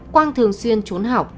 quang thường xuyên trốn học